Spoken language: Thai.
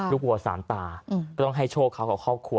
วัวสามตาก็ต้องให้โชคเขากับครอบครัว